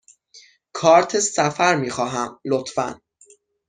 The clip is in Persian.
کارت سفر می خواهم، لطفاً.